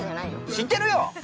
◆知ってるよ！